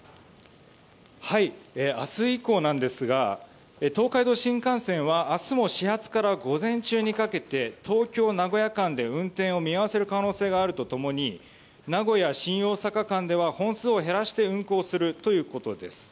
明日以降なんですが東海道新幹線は明日も始発から午前中にかけて東京名古屋間で運転を見合わせる可能性があると共に名古屋新大阪間では本数を減らして運行するということです。